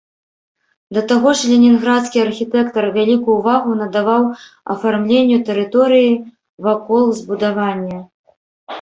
Да таго ж ленінградскі архітэктар вялікую ўвагу надаваў афармленню тэрыторыі вакол збудавання.